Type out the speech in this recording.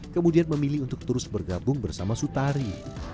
kemudian memilih untuk terus bergabung bersama sutari